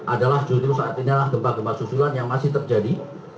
adalah justru saat ini adalah gempa gempa susulan yang masih terjadi